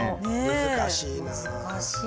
難しいな。